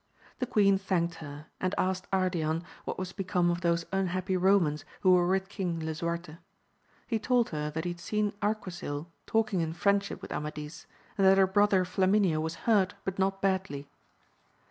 The queen thanked her, and asked Ardian what was become of those unhappy Eomans who were with King Lisuarte ? he told her that he had seen Arquisil talking in friendship with Amadis, and that her brother Flamineo was hurt, but not badly.